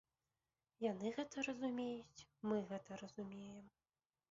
Яны гэта разумеюць, мы гэта разумеем.